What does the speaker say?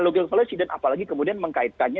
logik policy dan apalagi kemudian mengkaitkannya